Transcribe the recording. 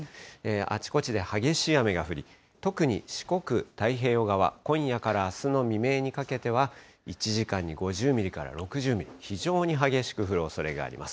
あちこちで激しい雨が降り、特に四国、太平洋側、今夜からあすの未明にかけては１時間に５０ミリから６０ミリ、非常に激しく降るおそれがあります。